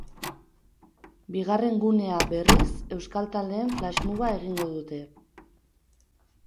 Bigarren gunea, berriz, euskal taldeen flashmoba egingo dute.